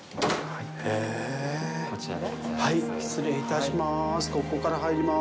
はい、失礼いたします。